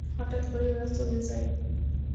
হঠাত করেই ওরা চলে যায়।